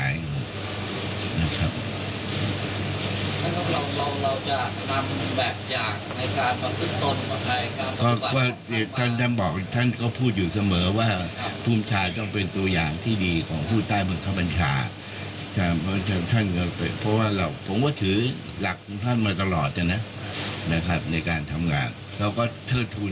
ในการทำงานเราก็เทิดทูลท่านต้องถือว่าท่านเป็นปูชนิยบุคคลของสุจริตกระทรวงกราโฮม